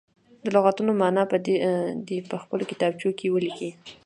د لغتونو معنا دې په خپلو کتابچو کې ولیکي.